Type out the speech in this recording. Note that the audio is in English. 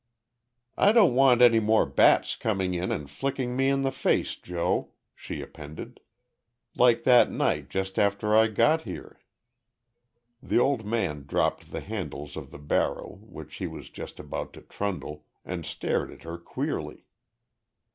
"I don't want any more bats coming in and flicking me in the face, Joe," she appended, "like that night just after I got here." The old man dropped the handles of the barrow which he was just about to trundle, and stared at her queerly.